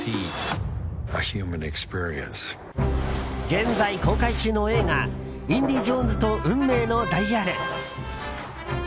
現在、公開中の映画「インディ・ジョーンズと運命のダイヤル」。